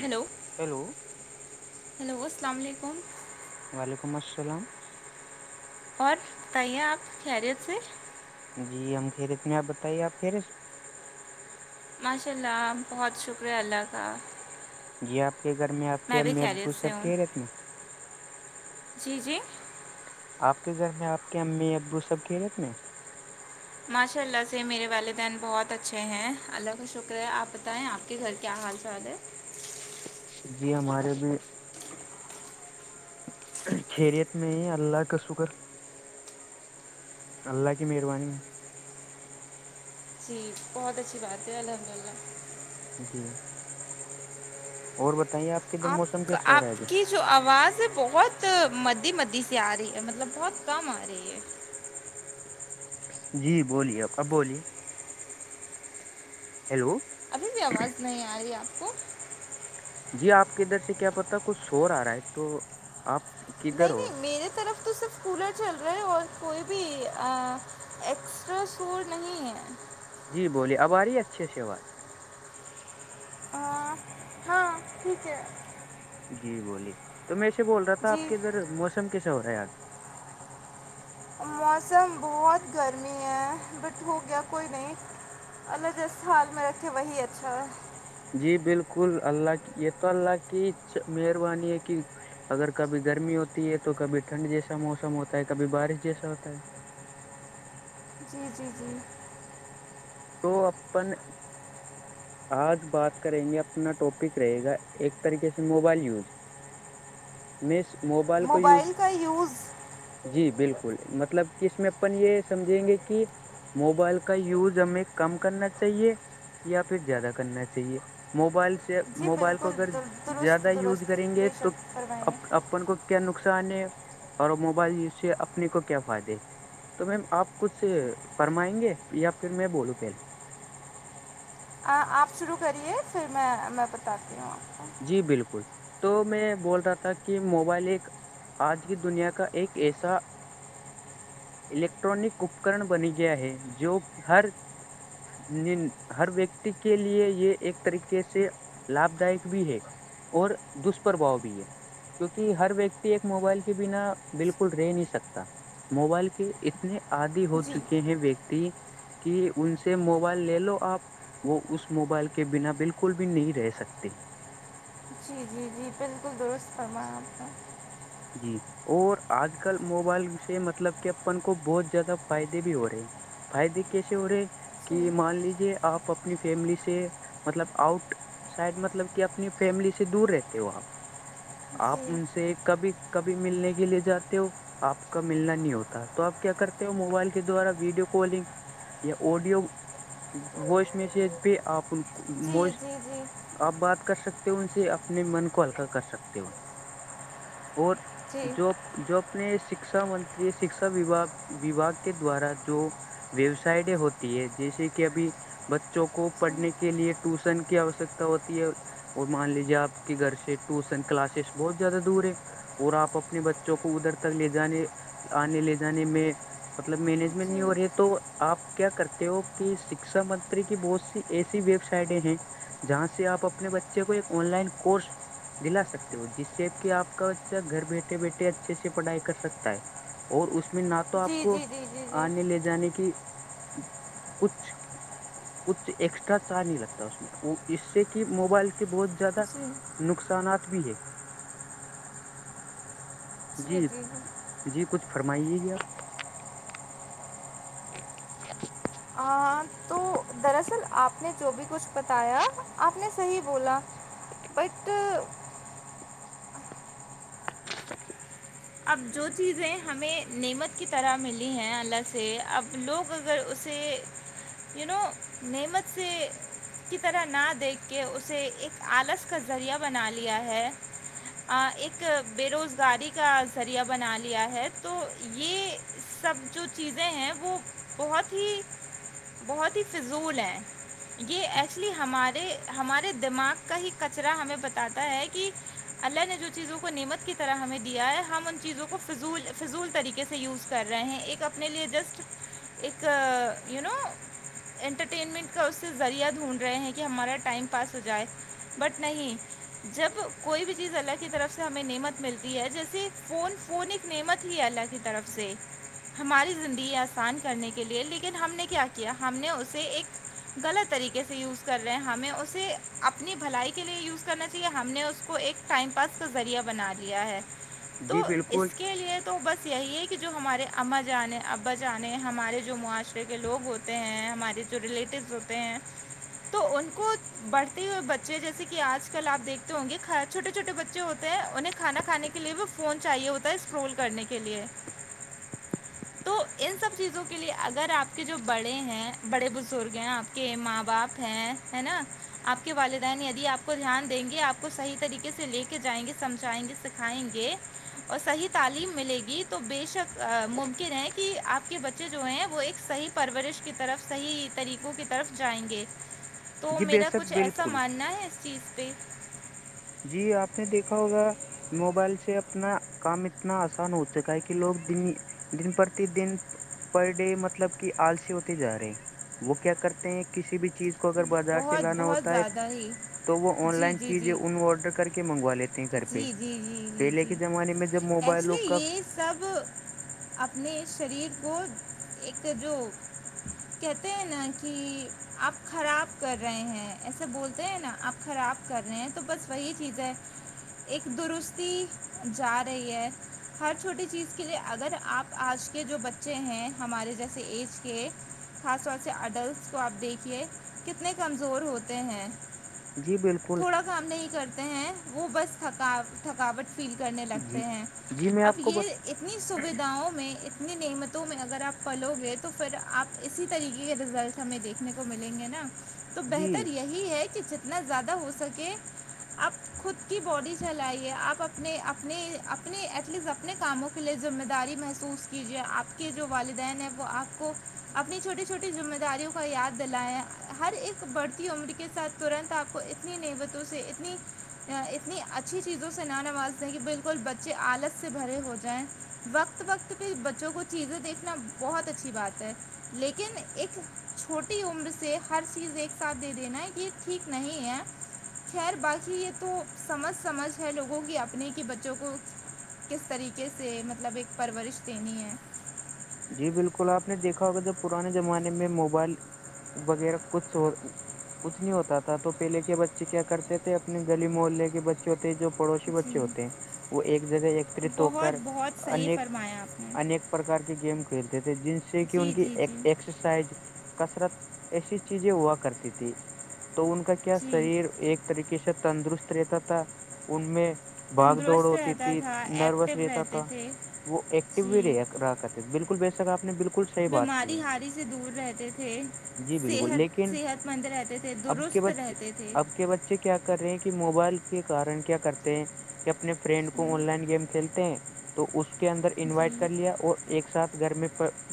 Hello hello hello السلام علیکم وعلیکم السلام اور بتائیے آپ خیریت سے جی ہم خیریت میں آپ بتائیے آپ خیریت ماشاء اللہ بہت شکریہ اللہ کا جی آپ کے گھر میں آپ کے بھی امی خیریت ابو سے سب ہوں کے خیریت میں جی جی آپ کے گھر میں آپ کے امی ابو سب کھی رہتنے ماشاء اللہ سے میرے والدین بہت اچھے ہیں اللہ کا شکر ہے آپ بتائیں آپ کے گھر کیا حال فال ہے جی ہمارے بھی خیریت میں ہی اللہ کا شکر اللہ کی مہربانی میں جی بہت اچھی بات ہے الحمد للہ نیکی اور بتائیے آپ کے ادھر آپ موسم کا کیسا ہو رہا آپ ہے ابھی کی جو آواز ہے بہت مدی مدی سےی آ رہی ہے مطلب بہت کم آ رہی ہے جی بولیے کب بولیے ہیلو ابھی بھی آواز نہیں آ رہی ہے آپ کو جی آپ کے ادھر سے کیا پتا کچھ شور آ رہا ہے تو آپ کدھر نہیں ہو آپ؟ نہیں میرے طرف تو صرف کولر چل رہا ہے اور کوئی بھی ایکسٹرا سور نہیں ہے جی بولیے اب آ رہے اچھے سےوات ہاں ہاں ٹھیک ہے جی بولیے تو میں اسے بول رہا تھا آپ جی کے ادھر موسم کیسا ہو رہا ہے آج موسم بہت گرمی ہے بٹ ہو گیا کوئی نہیں الجست ہال میں رکھے وہی اچھا ہے جی بالکل اللہ کی یہ تو اللہ کی مہربانی ہے کہ اگر کبھی گرمی ہوتی ہے تو کبھی ٹھنڈ جیسا موسم ہوتا ہے کبھی بارش جیسا ہوتا ہے جی جی جی تو اپن آج بات کریں گے اپنا ٹاپک رہے گا ایک طریقے سے موبائل یوز میں اس موبائل کو یوز کا یوز جی بالکل مطلب کہ اس میں اپن یہ سمجھیں گے کہ موبائل کا یوز ہمیں کم کرنا چاہیے یا پھر زیادہ کرنا چاہیے موبائل سے جی موبائل کو بالکل اگر در- درست زیادہ یوز کریں درست گے بے تو شک فرمائیے اپ اپن کو کیا نقصان ہے اور موبائلیز سے اپنے کو کیا فائدے تو میم آپ کچھ فرمائیں گے یا پھر میں بولوں پہلے ہ آپ شروع کریے پھر میں میں بتاتی ہوں آ جی بالکل تو میں بول رہا تھا کہ موبائل ایک آج کی دنیا کا ایک ایسا الیکٹرانک اپکرن بنی گیا ہے جو ہر ہر ویکتی کے لیے یہ ایک طریقے سے لابھ دائک بھی ہے اور دشپرھاؤ بھی ہے کیونکہ ہر ویکتی ایک موبائل کے بنا بالکل رہ نہیں سکتا موبائل کے اتنے آدی ہو جی چکے ہیں ویکتی کہ ان سے موبائل لے لو آپ وہ اس موبائل کے بنا بالکل بھی نہیں رہ سکتے جی جی جی جی بالکل درست فرمایا آپ جی اور آج کل موبائل سے مطلب کہ اپن کو بہت زیادہ فائدے بھی ہو رہے ہیں فائدے کیسے ہو رہے جی کہ مان لیجے آپ اپنی فیملی سے مطلب آؤٹ سائڈ مطلب کہ اپنی فیملی سے دور رہتے ہو آپ آپ جی ان سے کبھی کبھی ملنے کے لیے جاتے ہو آپ کا ملنا نہیں ہوتا تو آپ کیا کرتے ہو موبائل کے دوارا ویڈیو کالنگ یا اوڈیو ووائس میسیج پ آپن جی موج جی جی آپ بات کر سکتے ہو ان سے اپنے من کو ہلکا کر سکتے ہو اور جی جو جو اپنے شکشا منتری شکشاا وباگ کے دوارا جو ویبسائڈیں ہوتی ہے جیسے کہ ابھی بچوں کو جی پڑھنے کے لیے ٹوشن کی آوشکتا ہوتی ہے اور مان لیجیے آپ کے گھر سے ٹوسن کلاسز بہت زیادہ دور ہے اور آپ اپنے بچوں کو ادھر تک لے جانے آنے لے جانے میں مطلب مینجمنٹ جی جی نہیں ہو رہی ہے تو آپ کیا کرتے ہو کہ شکشا منتری کی بہت سی ایسی ویب سائٹیں ہیں جہاں سے آپ اپنے بچے کو ایک آن لائن کورس دلا سکتے ہو جس شیپ کے آپ کا بچہ گھر بیٹھے بیٹھے اچھے سے پڑھائی کر سکتا ہے اور اس میں ناک تو آپ جی کو جی آنے لے جانے کی کچھ کچھ ایکسٹرا چارج نہیں لگتا اس میں وہ اس سے کہ موبائل کے بہت زیادہ جی جی نقصانات بھی ہے جی جی کچھ فرمائیے گی آپ [unintelligible] ہ تو دراصل آپ نے جو بھی کچھ بتایا آپ نے صحیح بولا بٹ [unintelligible] اب جو چیزیں ہمیں نعمت کی طرح ملی ہیں اللہ سے اب لوگ اگر اسے یو نو نعمت سے کی طرح نہ دیکھ کے اسے ایک آلس کا ذریعہ بنا لیا ہے ایک بے روزگاری کا ذریعہ بنا لیا ہے تو یہ سب جو چیزیں ہیں وہ بہت ہی بہت ہی فضول ہیں یہ ایکچولی ہمارے ہمارے دماغ کا ہی کچرا ہمیں بتاتا ہے کہ اللہ نے جو چیزوں کو نعمت کی طرح ہمیں دیا ہے ہم ان چیزوں کو فضول فضول طریقے سے یوز کر رہے ہیں ایک اپنے لیے جسٹ ایک یو نو انٹرٹینمنٹ کا اس سے ذریعہ ڈھونڈ رہے ہیں کہ ہمارا ٹائم پاس ہو جائے بٹ نہیں جب کوئی بھی چیز اللہ کی طرف سے ہمیں نعمت ملتی ہے جیسے فون فون ایک نعمت ہی اللہ کی طرف سے ہماری زندگی آسان کرنے کے لیئے لیکن ہم نے کیا کیا ہم نے اسے ایک غلط طریقے سے یوز کر رہے ہیں ہمیں اسے اپنی بھلائی کے لیے یوز کرنا چاہیے ہم نے اس کو ایک ٹائم پاس کا ذریعہ بنا لیا ہے جی تو بالکل اس کے لیے تو بس یہی ہے کہ جو ہمارے اماں جانیں ابا جانے ہمارے جو معاشرے کے لوگ ہوتے ہیں ہمارے جو ریلیٹیو ہوتے ہیں تو ان کو بڑھتے ہوئے بچے جیسے کہ آج کل آپ دیکھتے ہوں گے چھوٹے چھوٹے بچے ہوتے ہیں انہیں کھانا کھان کے لیے بھی فون چاہیے ہوتا ہے اسکرول کرنے کے لیے [unintelligible] تو ان سب چیزوں کے لیے اگر آپ کے جو بڑے ہیں بڑے بزرگ ہیں آپ کے ماں باپ ہیں ہے نا آپ کے والدین یدی آپ کو دھیان دیں گے آپ کو صحی طریقے سے لے کے جائیں گے سمجھائیں گے سکھائیں گے اور صحیح تعلیم ملے گی تو بے شک ممکن ہے کہ آپ کے بچے جو ہیں وہ ایک صحیح پرورش کی طرف صحیح طریقوں کی طرف جائیں گے [inaudible] تو میرا شک کچھ ایسا بالکل ماننا ہے اس چیز پہ جی آپ نے دیکھا ہوگا موبائل سے اپنا کام اتنا آسان ہو چکا ہے کہ لوگ دن دن پر دن پر ڈے مطلب کہ آلسی ہوتے جا رہے ہیں وہ کیا کرتے ہیں کسی بھی چیز اگر بازار سے بہت لانا بہت ہوتا ہے زیادہ ہی تو وہ آن جی لائن جی چیزیں جی ان آڈر کر کے منگوا لیتے ہیں گھر جی پہ جی جی جی پہلے جی کے زمانے میں جب اس موبائلوں لیے کا یہ سب اپنے شریر کو ایک جو کہتے ہیں نا کہ آپ خراب کر رہے ہیں ایسے بولتے ہیں نا آپ خراب کر رہے ہیں تو بس وہی چیز ہے ایک درستی جا رہی ہے ہر چھوٹی چیز کے لیے اگر آپ آج کے جو بچے ہیں ہمارے جیسے ایج کے خاص طور سے اڈلٹس کو آپ دیکھیے کتنے کمزور ہوتے ہیں جی بالکل تھوڑا کام نہیں کرتے ہیں وہ بس تھکا تھکاوٹ فیل کرنے لگتے جی ہیں جی میں اب آپ کو بت یہ اتنی سویدھاؤں میں اتنی نعمتوں میں اگر آپ پلو گے تو پھر آپ اسی طریقے کے رزلٹ ہمیں دیکھنے کو ملیں گے نا تو جی بہتر یہی ہے کہ جتنا زیادہ ہو سکے آپ خود کی باڈی چلائیے آپ اپنے اپنے اپنے ایٹ لیسٹ اپنے کاموں کے لیے ذمہ داری محسوس کیجیے آپ کے جو والدین ہیں وہ آپ کو اپنی چھوٹی چھوٹی ذمہ داریوں کا یاد دلائیں ہر ایک بڑھتی عمر کے ساتھ ترنت آپ کو اتنی نعبتوں سے اتنی اتنی اچھی چیزوں سے نہ نواز دیں کہ بالکل بچے آالت سے بھرے ہو جائیں وقت وقت پہ بچوں کو چیزیں دیکھنا بہت اچھی بات ہے لیکن ایک چھوٹی عمر سے ہر چیز ایک ساتھ دے دینا ہے یہ ٹھیک نہیں ہے خیر باقی یہ تو سمجھ سمجھ ہے لوگوں کے اپنے کے بچوں کو کس طریقے سے مطلب ایک پرورش دینی ہے جی بالکل آپ نے دیکھا ہوگا جب پرانے زمانے میں موبائل وغیرہ کچھ ہو کچھ نہیں ہوتا تھا تو پہلے کے بچے کیا کرتے تھے اپنے گلی محلے کے بچے ہوتے جو پڑوسی جی بچے ہوتے ہیں وہ ایک جگہ ایکتری تو بہت کر بہت ان صحیح فرمایا آپ نے انیک پرکار کے گیم کھیلتے تھے جن سے کہ ان جی کی جی جی ایکسرسائز کثرت ایسی چیزیں ہوا کرتی تھی تو ان کا کیا جی شریر ایک طریقے سے تندرست رہتا تھا ان میں باگ دوڑ تندرست ہوتی رہتا تھی تھا نروس ایکٹیو رہتا رہتے تھا تھے وہ ایکٹیو بھی جی رہ راتے ہے بالکل بے شک آپ نے بالکل صحیح بات کی بیماری ہے ہاری سے دور رہتے تھے جی بالکل صحت لیکن صحت مند رہتے تھے درست رہتے تھے بچ کیا کر رہے ہیں کہ موبائل کے کن کیا کرتے ہیں کہ اپنے فرینڈ جی کو آن لائن گیم کھیلتے تو اس کے اندر انوائٹ کر جی لیا اور ایک ساتھ گھر میں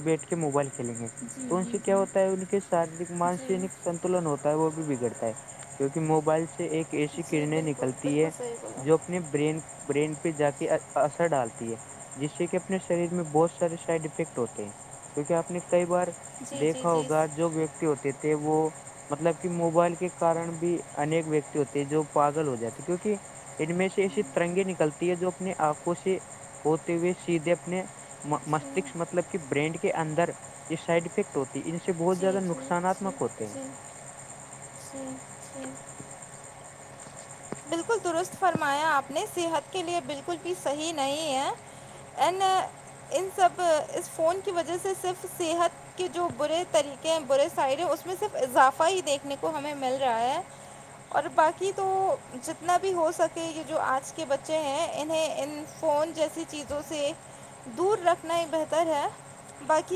بیٹھ کے موبائل کھیلیں گے جی تو ان سے جی جی کیا ہوتا ہے ان شارییرک مانس جی نک سنتلن ہوتا ہے وہ بھی بگڑتا ہے کیونکہ موبائل سے ایک ایسی جی کرنیں بالکل نکلتی بالکل ہے صحیح بولا جو اپنے ب برین پہ جا کے اثر ڈالتی ہے جس سے کہ اپنے شریر میں بہت سائڈ افیکٹ ہوتے ہیں کیکہ آپ نے کئی بار جی جی دیکھا جی ہوگا جو ہوتے تھے وہ مطلب کہ موبائل کے کن بھی انیک ویکتی ہوتے ہیں جو پاگل ہو جاتے کیونکہ ان میں سے ایسی ترنگیں نکلتی ہے جو اپنی آنکھوں سے ہوتے ہوئے سیدھے اپنے جی مستشک مطلب کہ برینڈ کے اندر یہ سائڈ افیکٹ ہوتی ہے ان سے بہت جی زیادہ جی جی نقصاناتمک ہوتے ہیں جی جی جی بالکل درست فرما آپ نے صحت کے لیے بالکل بھی صحیح نہیں ہے اینڈ ان سب اس فون کی وجہ سے صرف صحت کہ جو برے طریقے ہیں برے سائڈ ہیں اس میں صرف اضافہ ہی دیکھنے کو ہمیں مل رہا ہے اور باقی تو جتنا بھی ہو سک کہ یہ جو آج کے بچے ہیں انہیں ان فون جیسی چیزوں سے دور رکھنا ہی بہتر ہے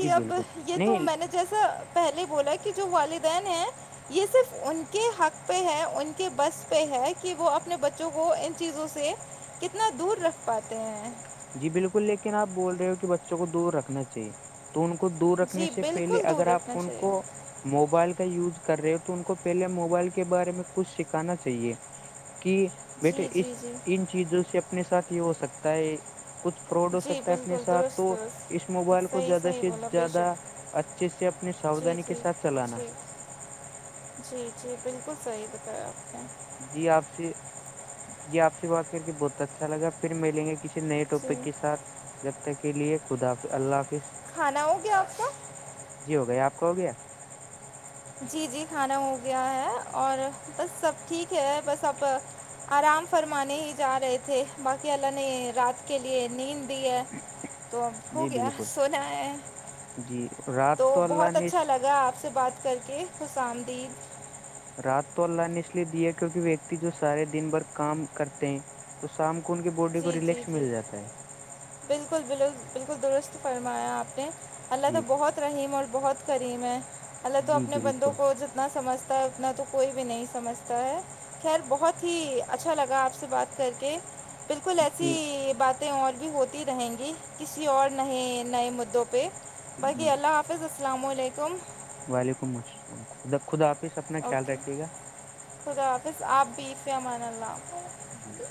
جی اب بالکل یہ تو نہیں میں نے جیسا پہلے بولا کہ جو والدین ہیں یہ صرف ان کے حق پہ ہے ان کے بس پہ ہے کہ وہ اپنے بچوں جو وہ ان چیزوں سے کتنا دور رکھ پاتے ہیں جی بالکل لیکن آپ بول رہے ہو کہ بچوں کو دور رکھنا چاہیے تو ان کو دور رکھنے جی سے پہلے بالکل دور اگر آپ رکھنا ان چاہیے کو موبائل کا یوز کر رہے ہو تو ان کو پہلے موبائل کے بارے میں کچھ سکھانا چاہیے کہ بیٹے جی اس جی جی ان چیزوں سے اپنے ساتھ ہی ہو سکتا ہے کچھ فراڈ ہو جی سکتا ہے اپنے بالکل ساتھ تو درست اس موبائل درست کو صحیح زیادہ صحیح سے بولا بے زیادہ شک اچھے سے اپ نے جی ساودانی کے جی ساتھ چلانا جی جی جی بالکل صحیح بتایا آپ نے جی آپ سے جی آپ سے بات کر کے بہت اچھا لگا پھر ملیں گے کسی نئے ٹاپک کے جی ساتھ جب تک کے لیے خدا اللہ حافظ کھانا ہوگیا آپ کا جی ہو گیا آپ کا ہو گیا جی جی کھانا ہو گیا ہے اور بس سب ٹھیک ہے بس آپ آرام فرمانے ہی جا رہے تھے باقی اللہ نے رات کے لیے نیند دی ہے اچ تو اب ہو گیا سونا ہے جی رات تو اللہ بہت نے اچھا لگا آپ سے بات کر کے خسام دی رات تو اللہ نے اس لیے دی ہے کیونک ویکتی جو سارے دن بھر کام کرتے ہیں تو شام کو ان کے جی جی جی بالکل بالل بالکل درست فرمایا آپ نے اللہ تو جی بہت رحیم اور بہت کریم ہے اللہ تو جی اپنے بندوں بالکل کو جتنا سمجھ تا انا تو کوئی بھی نہیں سمجھتا ہے خیر بہت ہی اچھا لگا آپ سے بات کر کے بالکل جی ایسی بات اور بھی ہوتی رہیں گی کسی اور نئے نئے مدعوں پہ باقی جی اللہ آپ ا السلام علیکم وعلیکم السلام خدا خود آپ ہیس اپنا خیال اوکے رکھیے گا خدا حافظ آپ بھی عفی امان اللہ حاظ جی